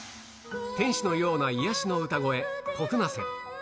天使のような癒やしの歌声、こふな瀬。